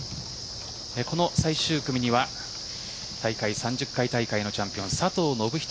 この最終組には大会３０回大会のチャンピオン佐藤信人